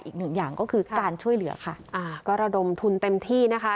อีกหนึ่งอย่างก็คือการช่วยเหลือค่ะอ่าก็ระดมทุนเต็มที่นะคะ